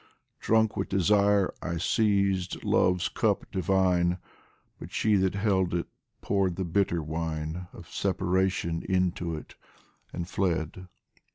Drunk with desire, I seized Love's cup divine, But she that held it poured the bitter wine Of Separation into it and fled.